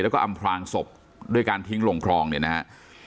แล้วก็อำพลางศพด้วยการทิ้งลงคลองเนี่ยนะฮะ